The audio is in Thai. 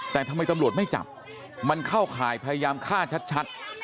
แต่ทำไมตำรวจไม่จับมันเข้าข่ายพยายามฆ่าชัด